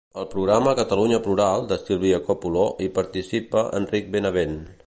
Al programa "Catalunya Plural", de Silvia Coppulo, hi participa Enric Benavent.